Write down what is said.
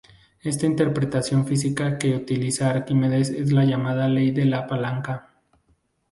Esta interpretación física que utiliza Arquímedes es la llamada ley de la palanca.